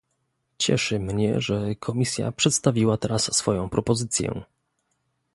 Cieszy mnie, że Komisja przedstawiła teraz swoją propozycję